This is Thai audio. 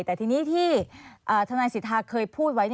แต่ทีนี้ที่ทนายสิทธาเคยพูดไว้